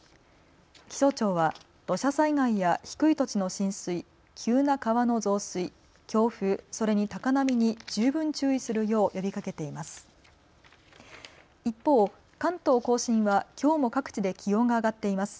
気象庁は土砂災害や低い低い土地の浸水、急な川の増水、強風、それに高波に十分注意するよう呼びかけています。